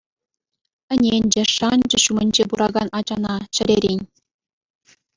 Ӗненчӗ, шанчӗ ҫумӗнче пыракан ачана, чӗререн.